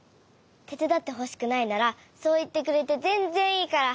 てつだってほしくないならそういってくれてぜんぜんいいから。